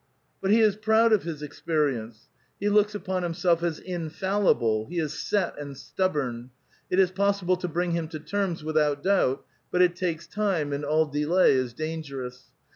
But he is proud of his experience ; he looks upon himself as infallible ; he is set and stubborn ; it is possible to bring him to terms, without doubt, but it takes time, and all delay is dangerous.